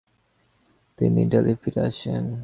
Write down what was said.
তিনি ইতালি ফিরে আসেন।